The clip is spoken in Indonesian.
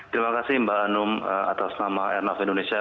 terima kasih mbak hanum atas nama airnav indonesia